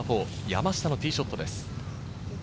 山下のティーショットです。